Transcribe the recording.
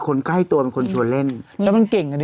คนใกล้ตัวเป็นคนชวนเล่นแล้วมันเก่งอ่ะดิ